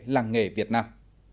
làng nghề việt nam